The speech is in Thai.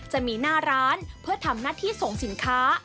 จะมีหน้าร้านเพื่อทำหน้าที่ส่งสินค้า